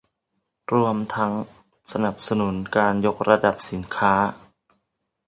รวมทั้งสนับสนุนการยกระดับสินค้า